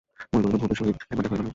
মনে করিল, ভবির সহিত একবার দেখা হইল না?